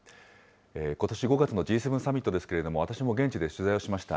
ことし５月のＧ７サミットですけれども、私も現地で取材をしました。